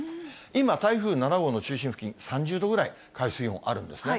今、台風７号の中心付近、３０度ぐらい、海水温あるんですね。